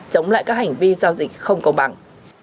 chống lại các hành vi giao dịch không công bằng